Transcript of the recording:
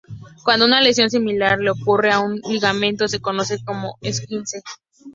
Cuando una lesión similar le ocurre a un ligamento, se conoce como esguince.